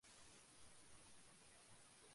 অবশেষে যুদ্ধ শেষ হলো।